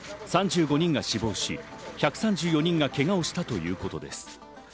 ３５人が死亡し、１３４人がけがをしたということです。